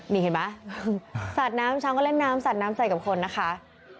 นี่เห็นไหมสาดน้ำช้างก็เล่นน้ำสาดน้ำใส่กับคนนะคะ